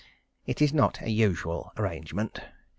It is not a usual arrangement.